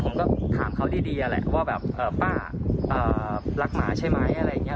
ผมก็ถามเขาดีแหละว่าแบบป้ารักหมาใช่ไหมอะไรอย่างนี้